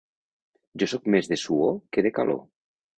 Jo soc més de suor que de calor.